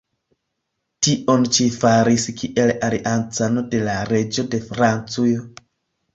Tion ĉi li faris kiel aliancano de la reĝo de Francujo.